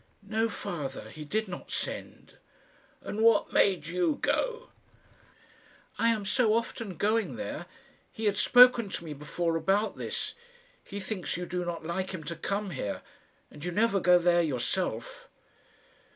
"No, father; he did not send." "And what made you go?" "I am so of often going there. He had spoken to me before about this. He thinks you do not like him to come here, and you never go there yourself."